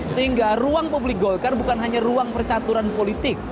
sehingga ruang publik golkar bukan hanya ruang percaturan politik